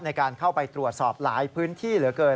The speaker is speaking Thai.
ในการเข้าไปตรวจสอบหลายพื้นที่เหลือเกิน